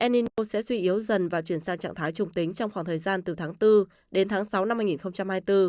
n inco sẽ suy yếu dần và chuyển sang trạng thái trùng tính trong khoảng thời gian từ tháng bốn đến tháng sáu năm hai nghìn hai mươi bốn